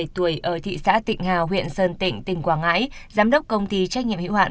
bốn mươi bảy tuổi ở thị xã tịnh hào huyện sơn tịnh tỉnh quảng ngãi giám đốc công ty trách nhiệm hữu hạn